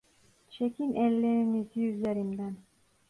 Çekin ellerinizi üzerimden!